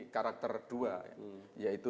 karakter dua yaitu